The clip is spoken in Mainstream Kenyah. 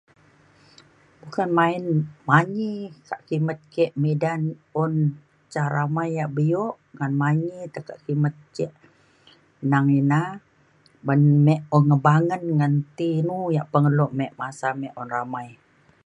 bukan main manyi teka' kimet ke' midan un ca ramai ya' bi'uk ngan manyi teke' kimet ce' nang ina ban mik pengebangen ngan ti inu ya' pengeluk mik masa mik un ramai.